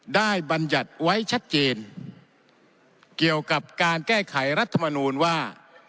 บรรยัติไว้ชัดเจนเกี่ยวกับการแก้ไขรัฐมนูลว่า